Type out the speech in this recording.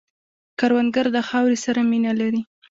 کروندګر د خاورې سره مینه لري